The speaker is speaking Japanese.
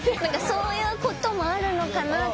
そういうこともあるのかなと思って用意